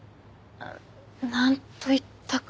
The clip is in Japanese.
なんといったか。